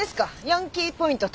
ヤンキーポイント